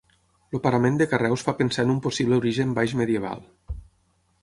El parament de carreus fa pensar en un possible origen baix medieval.